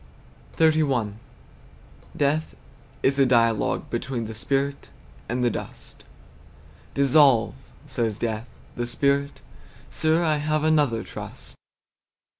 XXXI. Death is a dialogue between The spirit and the dust. "Dissolve," says Death. The Spirit, "Sir, I have another trust."